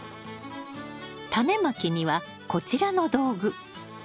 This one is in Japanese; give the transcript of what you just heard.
タネまきにはこちらの道具。